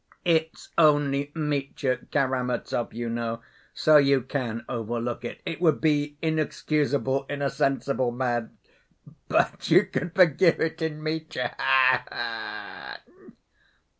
"It's only Mitya Karamazov, you know, so you can overlook it. It would be inexcusable in a sensible man; but you can forgive it in Mitya. Ha ha!"